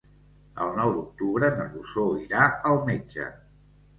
El nou d'octubre na Rosó irà al metge.